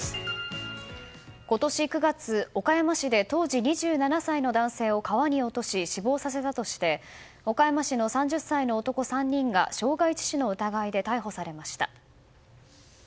今年９月、岡山市で当時２７歳の男性を川に落とし死亡させたとして岡山市の３０歳の男３人が傷害致死の疑いで逮捕されました。